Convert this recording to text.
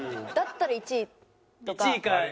だったら１位とか。